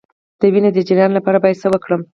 د وینې د جریان لپاره باید څه وکړم؟